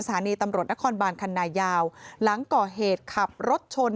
สถานีตำรวจนครบานคันนายาวหลังก่อเหตุขับรถชน